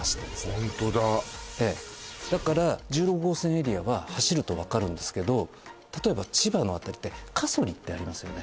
ホントだええだから１６号線エリアは走ると分かるんですけど例えば千葉のあたりって加曽利ってありますよね